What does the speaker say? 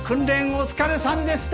お疲れさんでした！